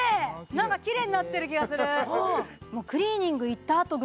なんかきれいになってる気がするありますね